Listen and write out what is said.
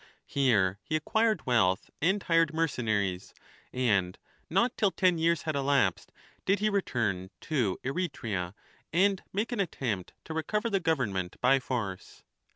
Here he acquired wealth and hired mercenaries ; and not till ten years had elapsed did he return to Eretria and make an attempt to recover the government by force.